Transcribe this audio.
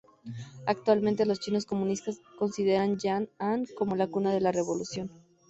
Actualmente los chinos comunistas consideran Yan'an como la cuna de la revolución.